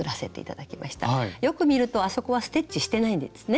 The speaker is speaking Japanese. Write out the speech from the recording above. よく見るとあそこはステッチしてないんですね。